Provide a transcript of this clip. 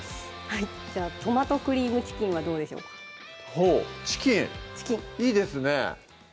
はいじゃあ「トマトクリームチキン」はどうでしょうかほうチキンいいですね